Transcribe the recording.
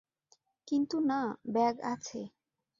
কিন্তু না ব্যাগ আছে।